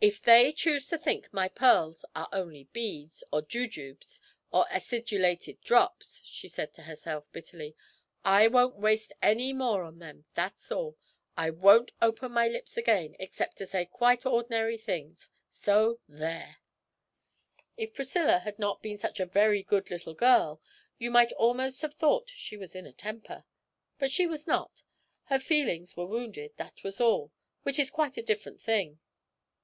'If they choose to think my pearls are only beads, or jujubes, or acidulated drops,' she said to herself, bitterly, 'I won't waste any more on them, that's all! I won't open my lips again, except to say quite ordinary things so there!' If Priscilla had not been such a very good little girl, you might almost have thought she was in a temper; but she was not; her feelings were wounded, that was all, which is quite a different thing.